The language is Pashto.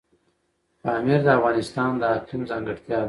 پامیر د افغانستان د اقلیم ځانګړتیا ده.